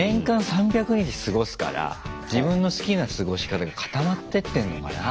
年間３００日過ごすから自分の好きな過ごし方が固まってってんのかな。